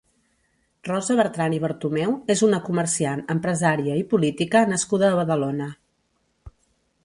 Rosa Bertran i Bartomeu és una comerciant, empresària i política nascuda a Badalona.